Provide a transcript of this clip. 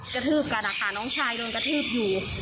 กระทืบกันนะคะน้องชายโดนกระทืบอยู่